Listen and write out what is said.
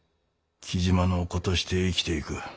雉真の子として生きていく。